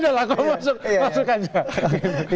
udah lah kamu masuk masuk aja